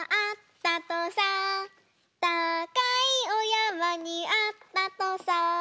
たかいおやまにあったとさ」